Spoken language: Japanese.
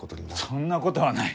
そんなことはない！